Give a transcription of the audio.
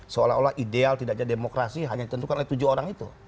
seolah olah ideal tidaknya demokrasi hanya ditentukan oleh tujuh orang itu